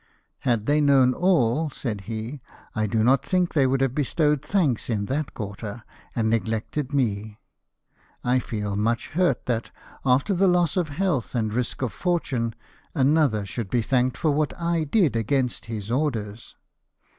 " Had they known all," said he, " I do not think they would have bestowed thanks in that quarter, and neglected me. I feel much hurt that, after the loss of health and risk of fortune, another should be thanked for what I did against his orders.